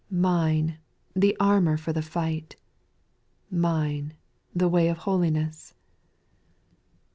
Mine, the armour for the fight. Mine, the way of holiness.